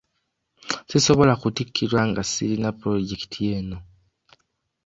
Si sobola kuttikirwa nga sirina pulojekiti eno.